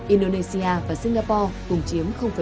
indonesia và singapore cùng chiếm bảy